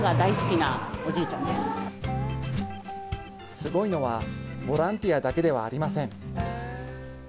すごいのはボランティアだけではありません。